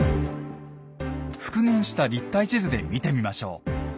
復元した立体地図で見てみましょう。